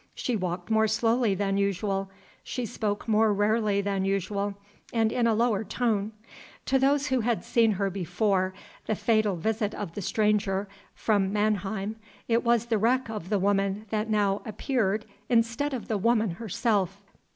She walked more slowly than usual; she spoke more rarely than usual, and in a lower tone. To those who had seen her before the fatal visit of the stranger from Mannheim, it was the wreck of the woman that now appeared instead of the woman herself.